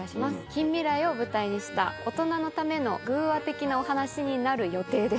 近未来を舞台にした大人のための寓話的なお話になる予定です。